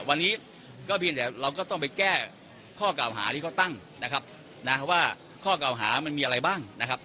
วันนี้ก็เพียงแต่เราก็ต้องไปแก้ข้อเก่าหาที่เขาตั้งนะครับนะว่าข้อเก่าหามันมีอะไรบ้างนะครับ